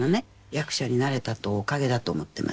役者になれたとおかげだと思ってます。